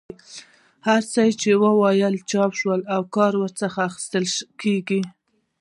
هر څه چې وو چاپ شول او کار ورڅخه اخیستل کېدی.